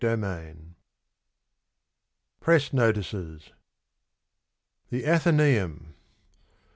92 PRESS NOTICES. THE ATHENAEUM.